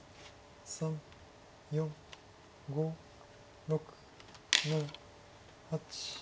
３４５６７８。